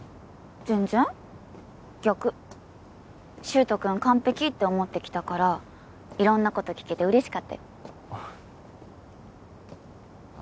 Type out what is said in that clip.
全然逆柊人君完璧って思ってきたから色んなこと聞けて嬉しかったよ